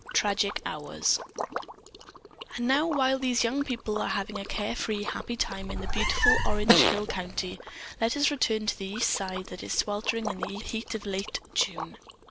TRAGIC HOURS And now while these young people are having a care free, happy time in the beautiful Orange Hill country, let us return to the East Side that is sweltering in the heat of late June.